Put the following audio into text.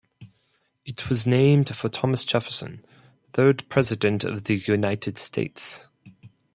It was named for Thomas Jefferson, third president of the United States.